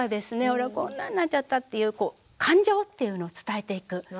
「ほらこんなになっちゃった」っていう感情というのを伝えていく。